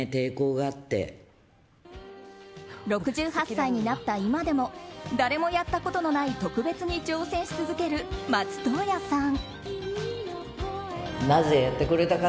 ６８歳になった今でも誰もやったことのない特別に挑戦し続ける松任谷さん。